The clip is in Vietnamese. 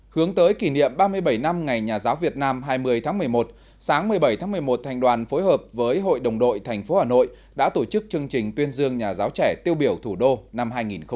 hướng tới kỷ niệm ba mươi bảy năm ngày nhà giáo việt nam hai mươi tháng một mươi một sáng một mươi bảy tháng một mươi một thành đoàn phối hợp với hội đồng đội tp hà nội đã tổ chức chương trình tuyên dương nhà giáo trẻ tiêu biểu thủ đô năm hai nghìn một mươi chín